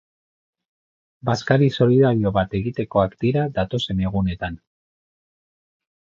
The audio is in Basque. Bazkari solidario bat egitekoak dira datozen egunetan.